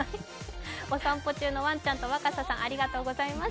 お散歩中のワンちゃんと若狭さんありがとうございます。